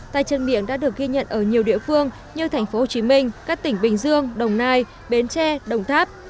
tay chân miệng đã được ghi nhận ở nhiều địa phương như tp hcm các tỉnh bình dương đồng nai bến tre đồng tháp